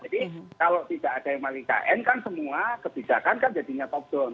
jadi kalau tidak ada yang melihat bkn kan semua kebijakan kan jadinya top down